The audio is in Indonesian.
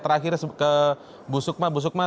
terakhir ke bu sukma bu sukma